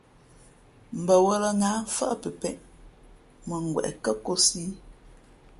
Mbαwα̌lᾱ ŋǎh, mfάʼ pepēʼ mα ngweʼ kάkōsī ī.